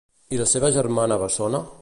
I la seva germana bessona?